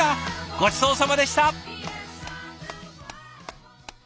ごちそうさまでした！